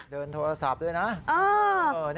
เดินโทรศัพท์ด้วยนะ